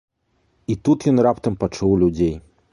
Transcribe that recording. І тут ён раптам пачуў людзей.